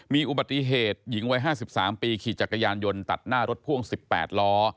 มีอุบัติเหตุหญิงวัย๕๓ปีขี่จักรยานยนต์ตัดหน้ารถพ่วง๑๘ล้อ